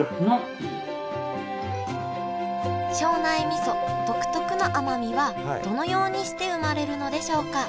みそ独特の甘みはどのようにして生まれるのでしょうか？